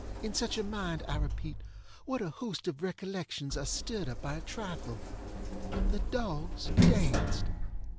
In such a mind, I repeat, what a host of recollections are stirred up by a trifle! The dogs danced!